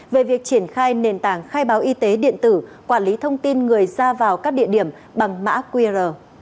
về việc triển khai nền tảng khai báo y tế điện tử quản lý thông tin người ra vào các địa điểm bằng mã qr